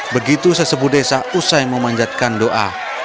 begitu sesebu desa usai memanjatkan doa